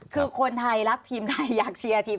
คือคนไทยรักทีมไทยอยากเชียร์ทีม